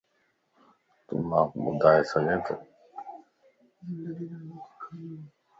تون مانک ٻڌائي سڳي تو